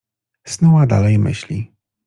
Snuła dalej myśli.